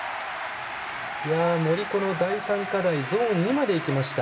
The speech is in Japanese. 森、この第３課題ゾーン２までいきました。